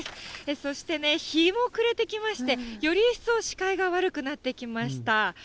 そして、日も暮れてきまして、より一層視界が悪くなってきました。